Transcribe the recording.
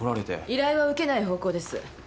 依頼は受けない方向です。